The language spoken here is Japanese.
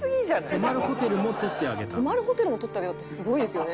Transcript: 泊まるホテルも取ってあげたってすごいですよね。